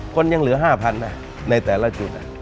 คนยังเหลือ๕๐๐๐นะในแต่ละจุด